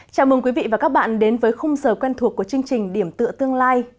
chào mừng quý vị và các bạn đến với khung giờ quen thuộc của chương trình điểm tựa tương lai